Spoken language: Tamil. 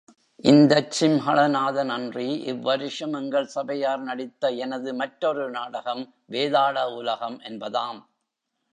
இந்தச் சிம்ஹளநாதன் அன்றி, இவ்வருஷம் எங்கள் சபையார் நடித்த எனது மற்றொரு நாடகம் வேதாள உலகம் என்பதாம்.